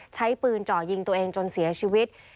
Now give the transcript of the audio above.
ใช้ปืนจ่อยิงตัวเองจนเสียชีวิต